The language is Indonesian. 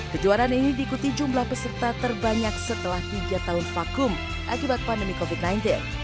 kejuaraan ini diikuti jumlah peserta terbanyak setelah tiga tahun vakum akibat pandemi covid sembilan belas